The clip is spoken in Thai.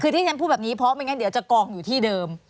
คือที่ฉันพูดแบบนี้เพราะไม่งั้นเดี๋ยวจะกองอยู่ที่เดิม